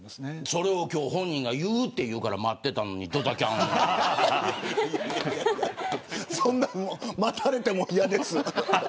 それを本人が言うっていうから待ってたのにそんなん待たれても嫌です。